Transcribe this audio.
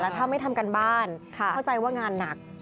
ถ้าไม่ทำการบ้านเข้าใจว่างานหนัก